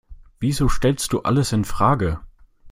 Wieso stellst du alles infrage?